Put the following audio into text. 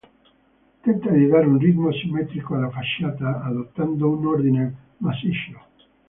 Tenta di dare un ritmo simmetrico alla facciata adottando un ordine massiccio.